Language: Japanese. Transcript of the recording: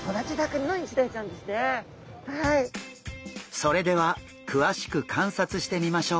それではくわしく観察してみましょう！